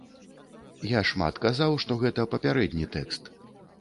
Я шмат казаў, што гэта папярэдні тэкст.